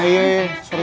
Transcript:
okay ini ada antara